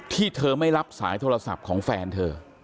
ที่เธอไม่รับสายโทรศัพท์ของแฟนเธอ